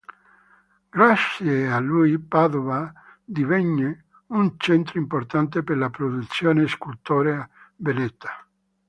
Grazie a lui Padova divenne un centro importante per la produzione scultorea veneta.